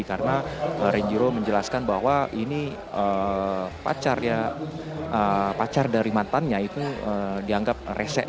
karena renjiro menjelaskan bahwa ini pacar dari mantannya itu dianggap resek